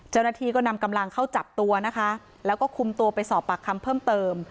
เจ้าหน้าที่ก็นำกำลังเข้าจับตัวนะคะแล้วก็คุมตัวไปสอบปากคำเพิ่มเติม